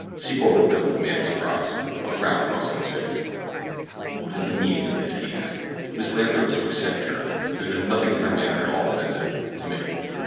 Secor looked up at the man in surprise, a frown crossing his face. "What is the meaning of this?" he asked. "Miss Lathrop is my secretary. There has been nothing in her manner at all offensive—to me."